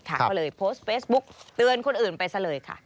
ก็เลยโพสต์เฟซบุ๊กเตือนคนอื่นไปซะเลยค่ะ